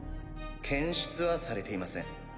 検出はされていません。